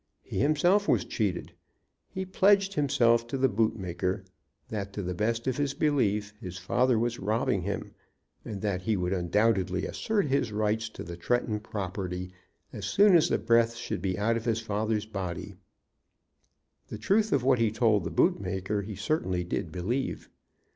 He himself was cheated. He pledged himself to the boot maker that, to the best of his belief, his father was robbing him, and that he would undoubtedly assert his right to the Tretton property as soon as the breath should be out of his father's body. The truth of what he told the boot maker he certainly did believe.